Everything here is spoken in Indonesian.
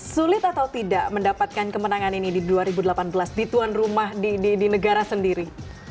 sulit atau tidak mendapatkan kemenangan ini di dua ribu delapan belas di tuan rumah di negara sendiri